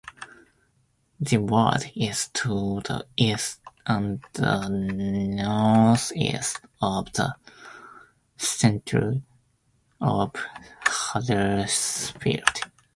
The ward is to the east and the northeast of the centre of Huddersfield.